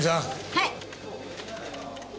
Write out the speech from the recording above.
はい。